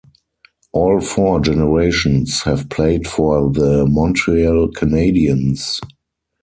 All four generations have played for the Montreal Canadiens.